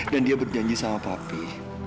dan dia berjanji sama papi